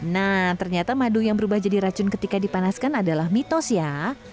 nah ternyata madu yang berubah jadi racun ketika dipanaskan adalah mitos ya